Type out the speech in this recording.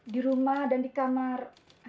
di rumah dan di kamar